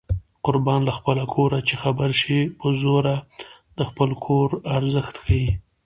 قربان له خپله کوره چې خبرې شي په زوره د خپل کور ارزښت ښيي